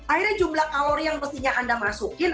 akhirnya jumlah kalori yang mestinya anda masukin